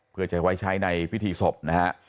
เพื่อจะไว้ใช้ในพิธีศพนะฮะ